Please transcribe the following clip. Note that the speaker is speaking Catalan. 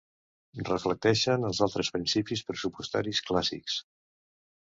Reflecteixen els altres principis pressupostaris clàssics.